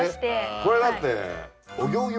これだって。